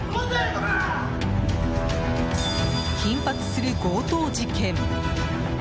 頻発する強盗事件。